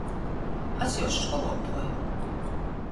Es jūs školuotuoja!